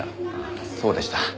ああそうでした。